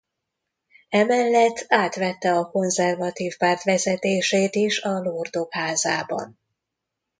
Emellett átvette a konzervatív párt vezetését is a Lordok Házában.